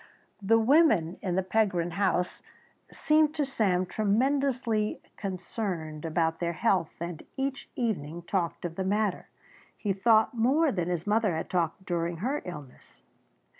The women in the Pergrin house seemed to Sam tremendously concerned about their health and each evening talked of the matter, he thought, more than his mother had talked during her illness.